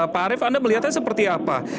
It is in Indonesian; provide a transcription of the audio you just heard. pak arief anda melihatnya seperti apa